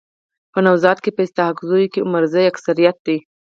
په نوزاد کي په اسحق زو کي عمرزي اکثريت دي.